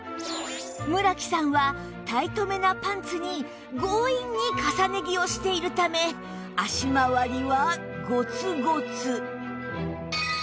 村木さんはタイト目なパンツに強引に重ね着をしているため脚まわりはゴツゴツ